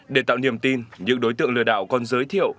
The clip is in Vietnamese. để tạo niềm tin những đối tượng lừa đảo còn giới thiệu